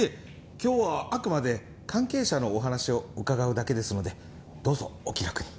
今日はあくまで関係者のお話を伺うだけですのでどうぞお気楽に。